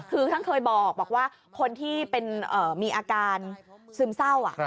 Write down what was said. คือท่านเคยบอกว่าคนที่มีอาการซึมเศร้า